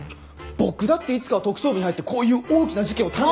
僕だっていつかは特捜部に入ってこういう大きな事件を担当。